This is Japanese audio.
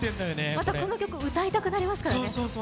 またこの曲歌いたくなりますからね。